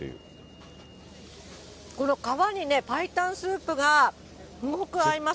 この皮にね、白湯スープがすごく合います。